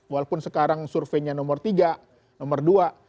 walaupun sekarang surveinya nomor tiga nomor dua